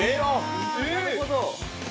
◆なるほど。